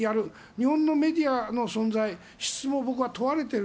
日本のメディアの質も問われている。